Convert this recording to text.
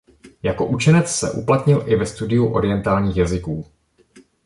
Jako učenec se uplatnil i ve studiu orientálních jazyků.